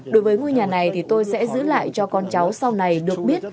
đối với ngôi nhà này thì tôi sẽ giữ lại cho con cháu sau này được biết